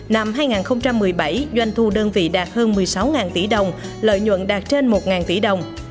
năm hai nghìn một mươi bảy doanh thu đơn vị đạt hơn một mươi sáu tỷ đồng lợi nhuận đạt trên một tỷ đồng